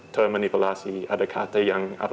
termanipulasi ada kata yang